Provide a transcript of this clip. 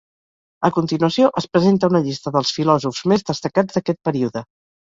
A continuació es presenta una llista dels filòsofs més destacats d'aquest període.